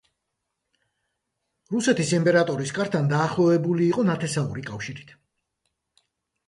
რუსეთის იმპერატორის კართან დაახლოებული იყო ნათესაური კავშირით.